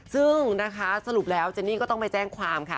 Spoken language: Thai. ซึ่งนะคะสรุปแล้วเจนนี่ก็ต้องไปแจ้งความค่ะ